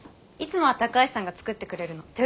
いつもは高橋さんが作ってくれるの。